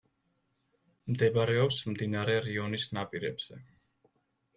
მდებარეობს მდინარე რიონის ნაპირებზე.